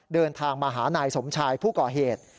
เดินทางมาหานายสมชายผู้ก่อเหตุ